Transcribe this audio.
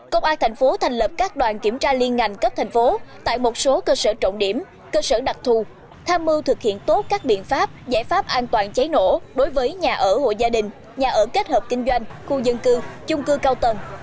công an thành phố thành lập các đoàn kiểm tra liên ngành cấp thành phố tại một số cơ sở trọng điểm cơ sở đặc thù tham mưu thực hiện tốt các biện pháp giải pháp an toàn cháy nổ đối với nhà ở hội gia đình nhà ở kết hợp kinh doanh khu dân cư chung cư cao tầng